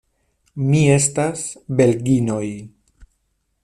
Mi estas belginoj.